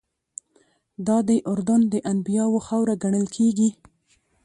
دادی اردن د انبیاوو خاوره ګڼل کېږي.